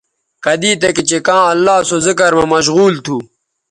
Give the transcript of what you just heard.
کدی تکےچہء کاں اللہ سو ذکر مہ مشغول تھو